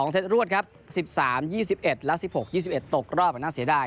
เซตรวดครับ๑๓๒๑และ๑๖๒๑ตกรอบน่าเสียดาย